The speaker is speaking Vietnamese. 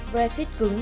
về xít cứng